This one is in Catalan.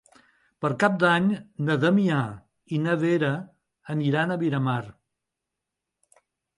Per Cap d'Any na Damià i na Vera aniran a Miramar.